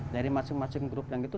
dari masing masing grup yang itu